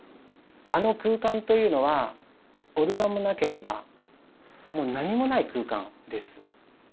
あの空間というのはオルガンもなければもう何もない空間です。